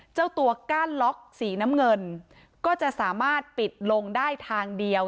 เจ้าตัวก้านล็อกสีน้ำเงินก็จะสามารถปิดลงได้ทางเดียว